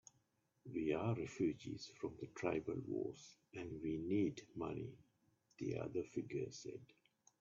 "We're refugees from the tribal wars, and we need money," the other figure said.